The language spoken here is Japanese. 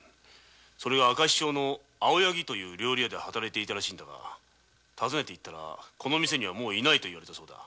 明石町の「青柳」という料理屋で働いていたらしいんだが尋ねて行ったらもういないと言われたそうだ。